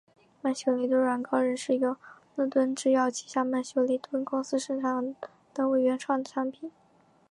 曼秀雷敦软膏仍是由乐敦制药旗下曼秀雷敦公司生产的为原创产品。